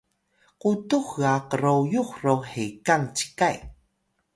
qutux ga qroyux ro hekang cikay